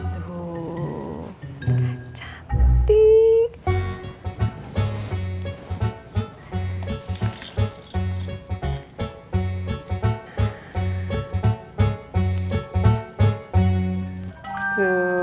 tuh kan cantik